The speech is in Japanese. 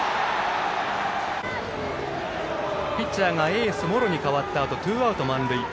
ピッチャーがエース茂呂に代わってツーアウト満塁。